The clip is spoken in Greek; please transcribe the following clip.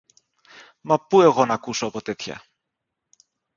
Μα πού εγώ ν' ακούσω από τέτοια!